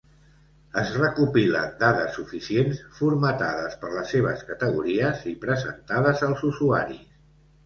Es recopilen dades suficients, formatades per les seves categories i presentades als usuaris.